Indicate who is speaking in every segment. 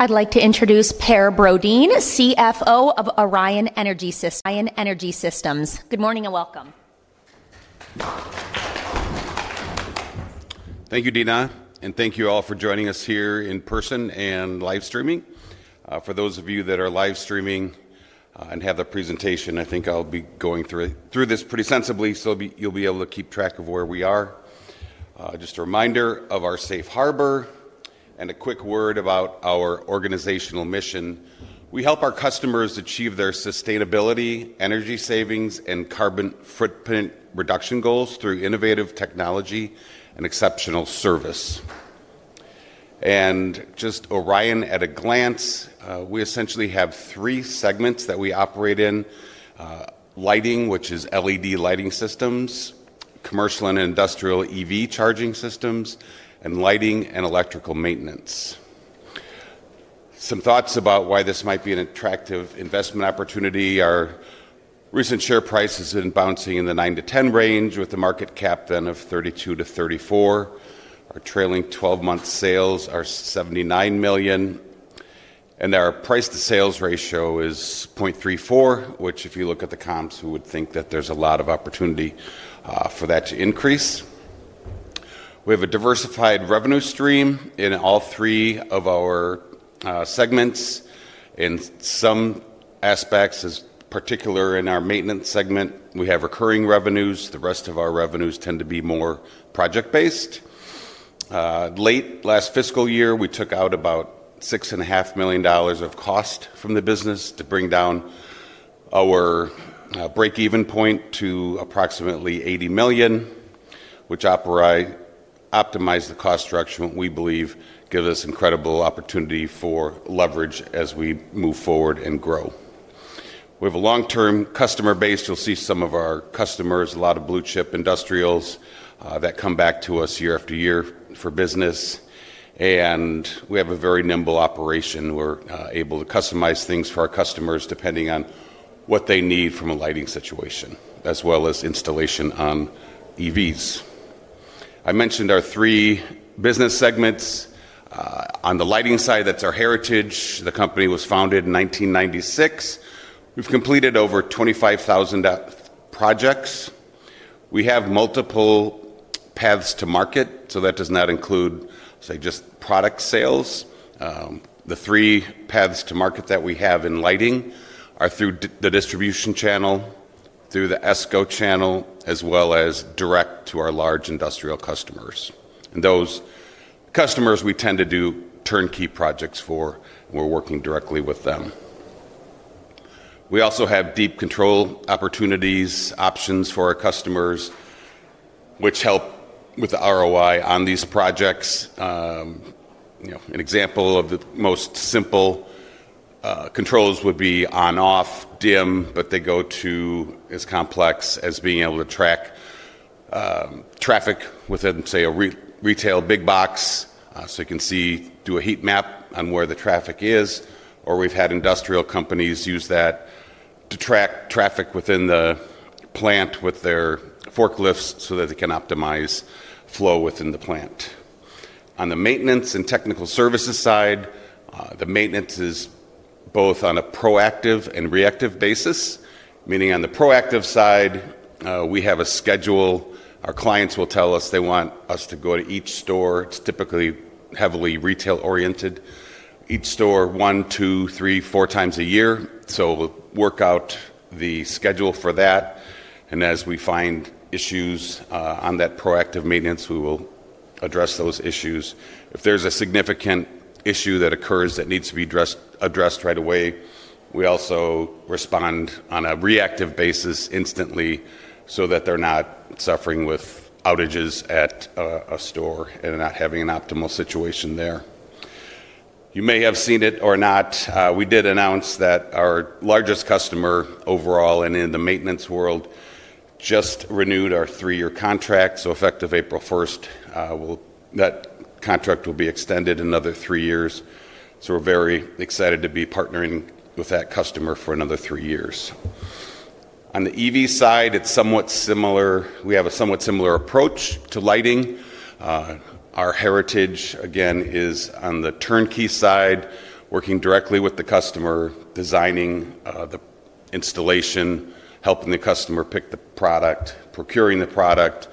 Speaker 1: I'd like to introduce Per Brodin, Chief Financial Officer of Orion Energy Systems. Good morning and welcome.
Speaker 2: Thank you, Dina, and thank you all for joining us here in person and live streaming. For those of you that are live streaming and have the presentation, I think I'll be going through this pretty sensibly, so you'll be able to keep track of where we are. Just a reminder of our safe harbor and a quick word about our organizational mission. We help our customers achieve their sustainability, energy savings, and carbon footprint reduction goals through innovative technology and exceptional service. Just Orion at a glance, we essentially have three segments that we operate in: lighting, which is LED lighting systems; commercial and industrial EV charging systems; and lighting and electrical maintenance. Some thoughts about why this might be an attractive investment opportunity: our recent share price has been bouncing in the $9-$10 range with a market cap then of $32 million-$34 million. Our trailing 12-month sales are $79 million, and our price-to-sales ratio is 0.34, which if you look at the comps, you would think that there's a lot of opportunity for that to increase. We have a diversified revenue stream in all three of our segments. In some aspects, particularly in our maintenance segment, we have recurring revenues. The rest of our revenues tend to be more project-based. Late last fiscal year, we took out about $6.5 million of cost from the business to bring down our break-even point to approximately $80 million, which optimized the cost structure, what we believe gives us incredible opportunity for leverage as we move forward and grow. We have a long-term customer base. You'll see some of our customers, a lot of blue-chip industrials that come back to us year after year for business, and we have a very nimble operation. We're able to customize things for our customers depending on what they need from a lighting situation as well as installation on EVs. I mentioned our three business segments. On the lighting side, that's our heritage. The company was founded in 1996. We've completed over 25,000 projects. We have multiple paths to market, so that does not include, say, just product sales. The three paths to market that we have in lighting are through the distribution channel, through the ESCO channel, as well as direct to our large industrial customers. Those customers we tend to do turnkey projects for, and we're working directly with them. We also have deep control opportunities, options for our customers, which help with the ROI on these projects. An example of the most simple controls would be on/off, dim, but they go to as complex as being able to track traffic within, say, a retail big box. You can see, do a heat map on where the traffic is, or we've had industrial companies use that to track traffic within the plant with their forklifts so that they can optimize flow within the plant. On the maintenance and technical services side, the maintenance is both on a proactive and reactive basis, meaning on the proactive side, we have a schedule. Our clients will tell us they want us to go to each store. It's typically heavily retail-oriented. Each store, one, two, three, four times a year. We'll work out the schedule for that, and as we find issues on that proactive maintenance, we will address those issues. If there's a significant issue that occurs that needs to be addressed right away, we also respond on a reactive basis instantly so that they're not suffering with outages at a store and not having an optimal situation there. You may have seen it or not, we did announce that our largest customer overall and in the maintenance world just renewed our three-year contract. Effective April 1st, that contract will be extended another three years. We're very excited to be partnering with that customer for another three years. On the EV side, it's somewhat similar. We have a somewhat similar approach to lighting. Our heritage, again, is on the turnkey side, working directly with the customer, designing the installation, helping the customer pick the product, procuring the product,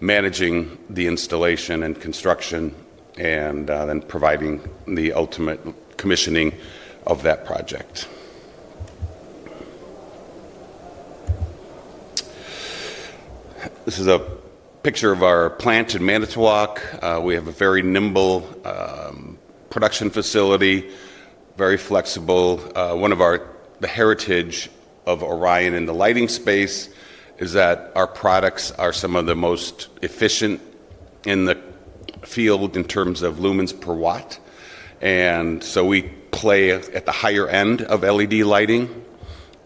Speaker 2: managing the installation and construction, and then providing the ultimate commissioning of that project. This is a picture of our plant in Manitowoc. We have a very nimble production facility, very flexible. One of our heritage of Orion in the lighting space is that our products are some of the most efficient in the field in terms of lumens per watt. We play at the higher end of LED lighting,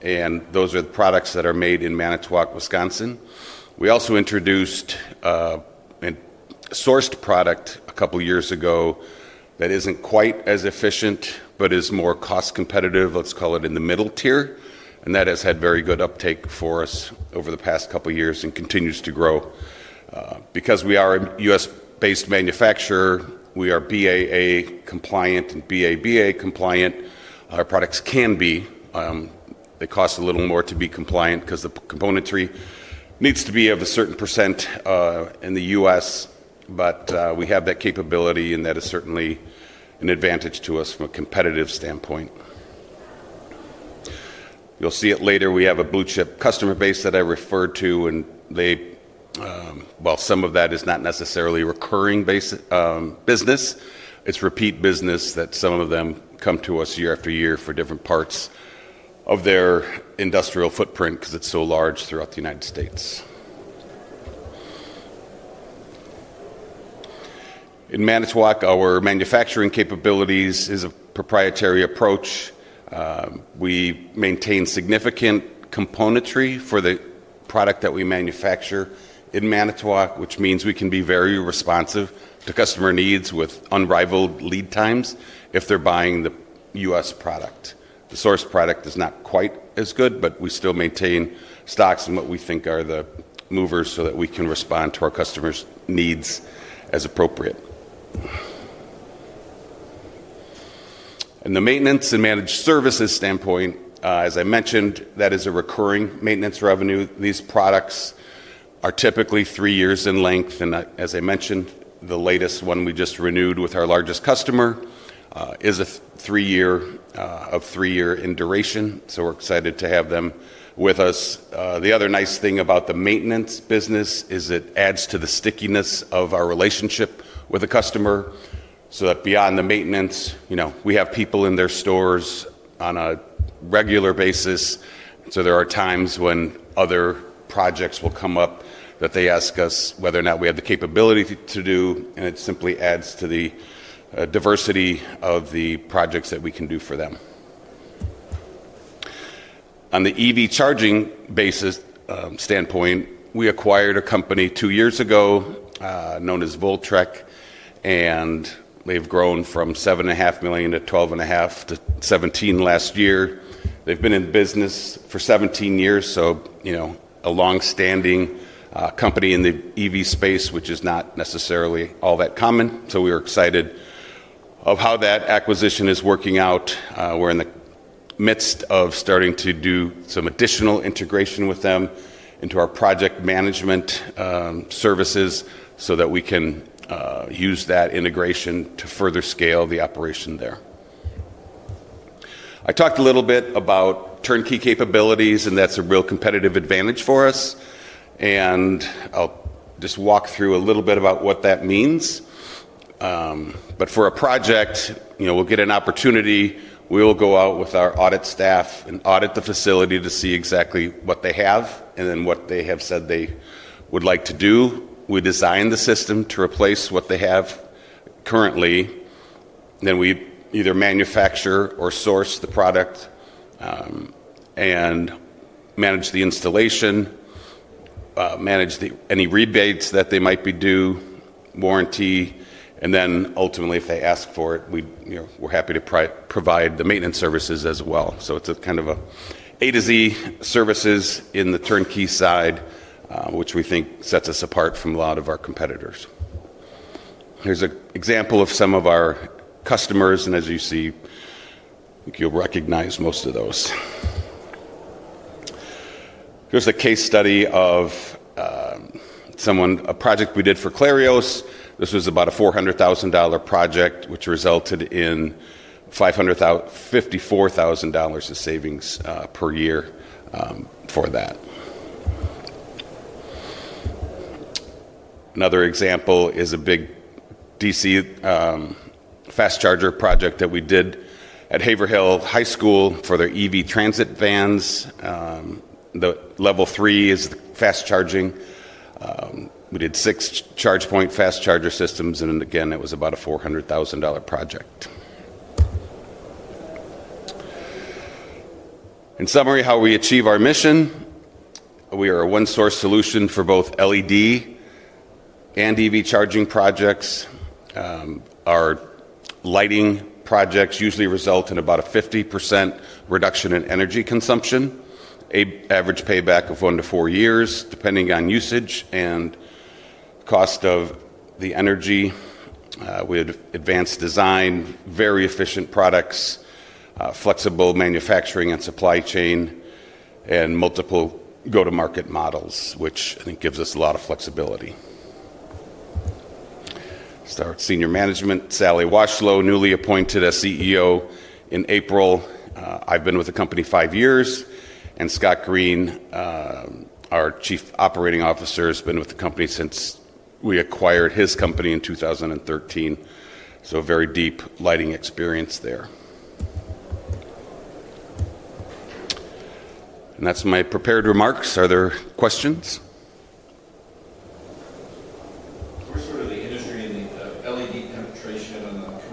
Speaker 2: and those are the products that are made in Manitowoc, Wisconsin. We also introduced a sourced product a couple of years ago that isn't quite as efficient but is more cost-competitive. Let's call it in the middle tier, and that has had very good uptake for us over the past couple of years and continues to grow. Because we are a U.S.-based manufacturer, we are BAA compliant and BABA compliant. Our products can be, they cost a little more to be compliant because the componentry needs to be of a certain percent in the U.S., but we have that capability, and that is certainly an advantage to us from a competitive standpoint. You'll see it later. We have a blue-chip customer base that I referred to, and some of that is not necessarily recurring business. It's repeat business that some of them come to us year after year for different parts of their industrial footprint because it's so large throughout the United States. In Manitowoc, our manufacturing capabilities are a proprietary approach. We maintain significant componentry for the product that we manufacture in Manitowoc, which means we can be very responsive to customer needs with unrivaled lead times if they're buying the U.S. product. The source product is not quite as good, but we still maintain stocks in what we think are the movers so that we can respond to our customers' needs as appropriate. From the maintenance and managed services standpoint, as I mentioned, that is a recurring maintenance revenue. These products are typically three years in length, and as I mentioned, the latest one we just renewed with our largest customer is a three-year in duration. We're excited to have them with us. The other nice thing about the maintenance business is it adds to the stickiness of our relationship with the customer so that beyond the maintenance, we have people in their stores on a regular basis. There are times when other projects will come up that they ask us whether or not we have the capability to do, and it simply adds to the diversity of the projects that we can do for them. On the EV charging basis standpoint, we acquired a company two years ago known as Voltrek, and they've grown from $7.5 million to $12.5 million to $17 million last year. They've been in business for 17 years, so a longstanding company in the EV space, which is not necessarily all that common. We were excited about how that acquisition is working out. We're in the midst of starting to do some additional integration with them into our project management services so that we can use that integration to further scale the operation there. I talked a little bit about turnkey capabilities, and that's a real competitive advantage for us. I'll just walk through a little bit about what that means. For a project, we'll get an opportunity. We'll go out with our audit staff and audit the facility to see exactly what they have and then what they have said they would like to do. We design the system to replace what they have currently. We either manufacture or source the product and manage the installation, manage any rebates that they might be due, warranty, and ultimately, if they ask for it, we're happy to provide the maintenance services as well. It's a kind of an A to Z services in the turnkey side, which we think sets us apart from a lot of our competitors. Here's an example of some of our customers, and as you see, I think you'll recognize most of those. Here's a case study of a project we did for Clarios. This was about a $400,000 project, which resulted in $54,000 of savings per year for that. Another example is a big DC fast charger project that we did at Haverhill High School for their EV transit vans. The level three is the fast charging. We did six ChargePoint fast charger systems, and again, it was about a $400,000 project. In summary, how we achieve our mission, we are a one-source solution for both LED and EV charging projects. Our lighting projects usually result in about a 50% reduction in energy consumption, average payback of one to four years depending on usage and cost of the energy. We have advanced design, very efficient products, flexible manufacturing and supply chain, and multiple go-to-market models, which I think gives us a lot of flexibility. Start senior management, Sally Washlow, newly appointed as CEO in April. I've been with the company five years, and Scott Green, our Chief Operating Officer, has been with the company since we acquired his company in 2013. A very deep lighting experience there. That's my prepared remarks. Are there questions?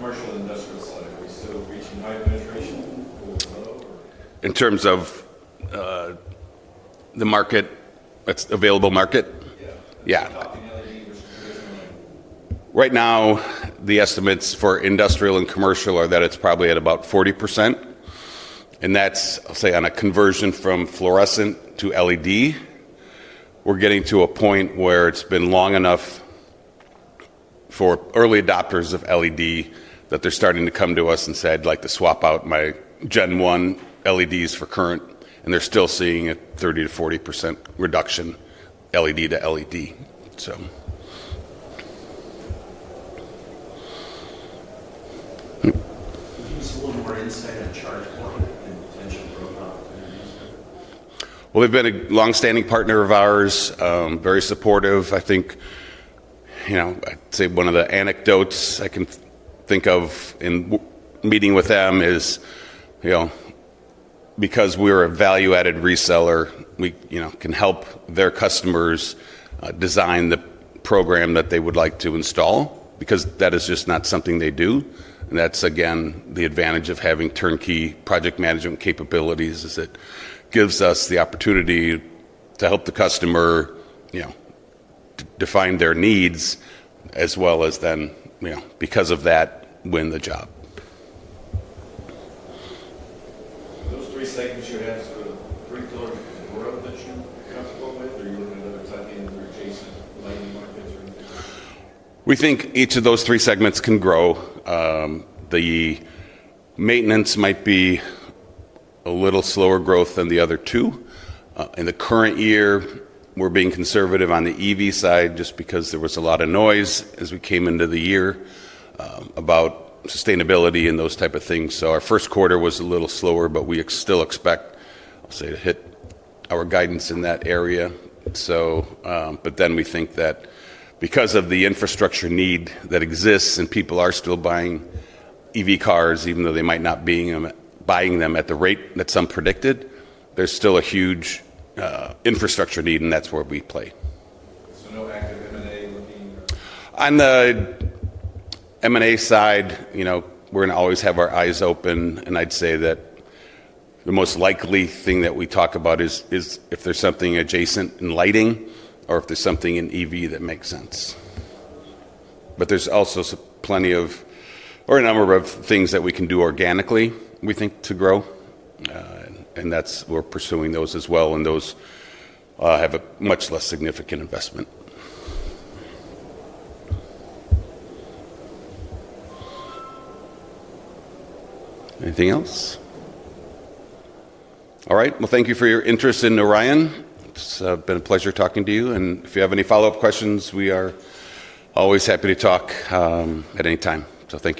Speaker 2: What's sort of the industry and the LED penetration on the commercial and industrial side? Are we still reaching high penetration or low? In terms of the market, that's available market? Yeah. Right now, the estimates for industrial and commercial are that it's probably at about 40%. That's, I'll say, on a conversion from fluorescent to LED. We're getting to a point where it's been long enough for early adopters of LED that they're starting to come to us and say, "I'd like to swap out my Gen 1 LEDs for current." They're still seeing a 30%-40% reduction LED to LED. Can you give us a little more insight on ChargePoint and potential growth opportunities there? They've been a longstanding partner of ours, very supportive. I think one of the anecdotes I can think of in meeting with them is, you know, because we're a value-added reseller, we can help their customers design the program that they would like to install because that is just not something they do. That's, again, the advantage of having turnkey project management capabilities. It gives us the opportunity to help the customer define their needs as well as then, you know, because of that, win the job. Those three segments you have, is there a particular growth that you're comfortable with, or you want to have another tie-in with your adjacent lighting markets or anything like that? We think each of those three segments can grow. The maintenance might be a little slower growth than the other two. In the current year, we're being conservative on the EV side just because there was a lot of noise as we came into the year about sustainability and those types of things. Our first quarter was a little slower, but we still expect, I'll say, to hit our guidance in that area. We think that because of the infrastructure need that exists and people are still buying EV cars, even though they might not be buying them at the rate that's unpredicted, there's still a huge infrastructure need, and that's where we play. On the M&A side, you know, we're going to always have our eyes open, and I'd say that the most likely thing that we talk about is if there's something adjacent in lighting or if there's something in EV that makes sense. There are also plenty of or a number of things that we can do organically, we think, to grow. That's we're pursuing those as well, and those have a much less significant investment. Anything else? All right. Thank you for your interest in Orion. It's been a pleasure talking to you, and if you have any follow-up questions, we are always happy to talk at any time. Thank you.